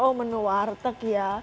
oh menu warteg ya